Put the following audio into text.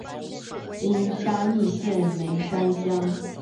今嘉义县梅山乡。